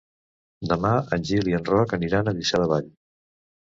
Demà en Gil i en Roc aniran a Lliçà de Vall.